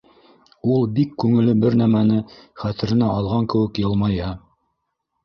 Ул бик күңелле бер нәмәне хәтеренә алған кеүек йылмая.